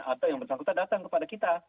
atau yang bersangkutan datang kepada kita